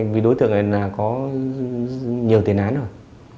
vì đối tượng này có nhiều tiền án rồi